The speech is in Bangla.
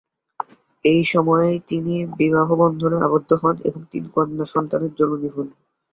এই সময়েই তিনি বিবাহবন্ধনে আবদ্ধ হন এবং তিন কন্যা সন্তানের জননী হন।